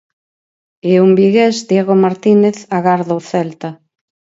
E un vigués, Diego Martínez, agarda o Celta.